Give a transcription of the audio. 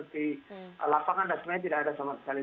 di lapangan dasarnya tidak ada sholat i